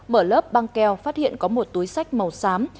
mở lớp băng keo phát hiện có một túi sách màu xám